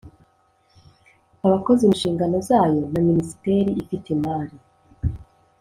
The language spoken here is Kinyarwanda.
abakozi mu nshingano zayo na Minisiteri ifite imari